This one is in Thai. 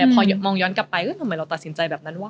พอมองย้อนกลับไปทำไมเราตัดสินใจแบบนั้นว่า